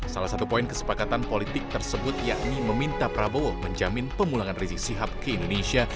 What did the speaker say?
salah satu poin kesepakatan politik tersebut yakni meminta prabowo menjamin pemulangan rizik sihab ke indonesia